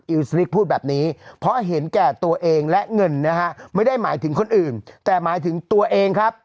สลิกพูดแบบนี้เพราะเห็นแก่ตัวเองและเงินนะฮะไม่ได้หมายถึงคนอื่นแต่หมายถึงตัวเองครับ